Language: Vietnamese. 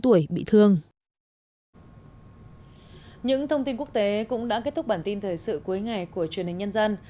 những thông tin quốc tế cũng đã kết thúc bản tin thời sự cuối ngày của truyền hình nhân dân